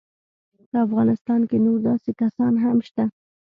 په افغانستان کې نور داسې کسان هم شته.